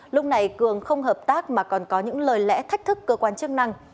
lúc này cường không hợp tác mà còn có những lời lẽ thách thức cơ quan chức năng